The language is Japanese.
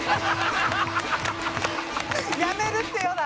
『やめるってよ』だ。